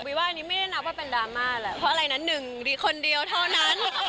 วีว่าอันนี้ไม่ได้นับว่าเป็นดราม่าแหละ